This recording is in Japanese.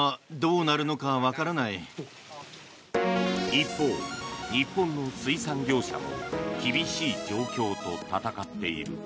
一方、日本の水産業者も厳しい状況と戦っている。